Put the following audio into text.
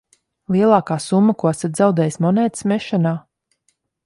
Lielākā summa, ko esat zaudējis monētas mešanā?